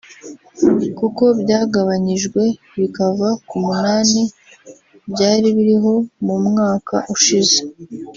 kuko byagabanyijwe bikava ku munani byari biriho mu mwaka ushize